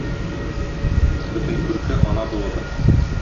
Бөтен күрке ана булуда.